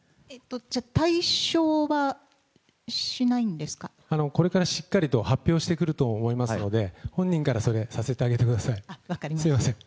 じゃあ、これからしっかりと発表してくると思いますので、本人からそれ、させてあげてください、すみません。